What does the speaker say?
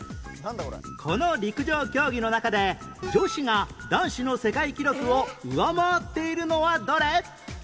この陸上競技の中で女子が男子の世界記録を上回っているのはどれ？